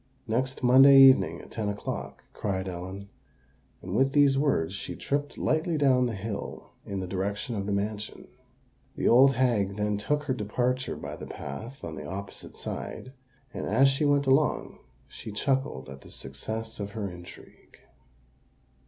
"Next Monday evening at ten o'clock," cried Ellen; and with these words she tripped lightly down the hill in the direction of the mansion. The old hag then took her departure by the path on the opposite side; and, as she went along, she chuckled at the success of her intrigue.